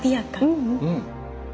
うん。